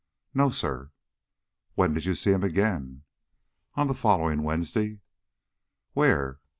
"No, sir." "When did you see him again?" "On the following Wednesday." "Where?"